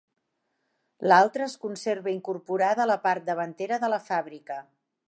L'altra es conserva incorporada a la part davantera de la fàbrica.